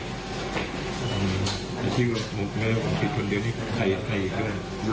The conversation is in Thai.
อืมอาชีพผมผิดคนเดียวนี่ใครใครอีกก็ได้